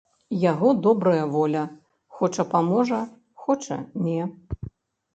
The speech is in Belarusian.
Яго добрая воля, хоча паможа, хоча не.